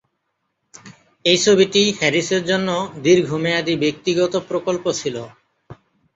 এই ছবিটি হ্যারিসের জন্য দীর্ঘমেয়াদী ব্যক্তিগত প্রকল্প ছিল।